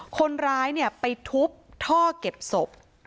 คนร้ายไปทุบท่อเก็บศพ